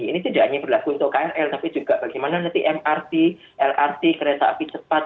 ini tidak hanya berlaku untuk krl tapi juga bagaimana nanti mrt lrt kereta api cepat